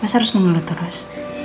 masa harus mengeluh terus